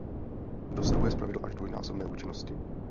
Dosahuje zpravidla až dvojnásobné účinnosti.